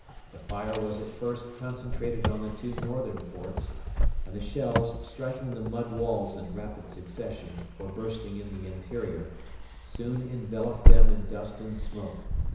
The fire was at first concentrated on the two northern forts, and the shells, striking the mud walls in rapid succession or bursting in the interior, soon enveloped them in dust and smoke.